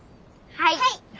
はい。